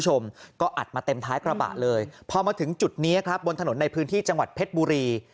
ก็อัดมาเต็มท้ายกระบะเลยพอมาถึงจุดนี้ครับบนถนนในพื้นที่จังหวัดเพชรบุรี